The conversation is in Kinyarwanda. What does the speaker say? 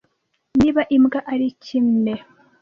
Niba imbwa ari kine